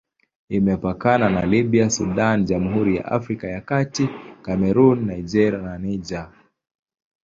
Imepakana na Libya, Sudan, Jamhuri ya Afrika ya Kati, Kamerun, Nigeria na Niger.